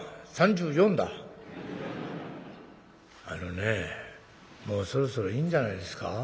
「あのねもうそろそろいいんじゃないですか？